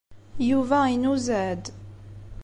Yuba inuzeɛ-d.